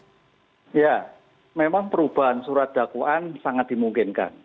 ya memang perubahan surat dakwaan sangat dimungkinkan